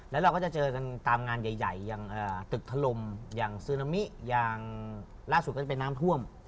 แล้วเราก็จะเจอกันตามงานใหญ่อย่างตึกถล่มอย่างซึนามิอย่างล่าสุดก็จะเป็นน้ำท่วม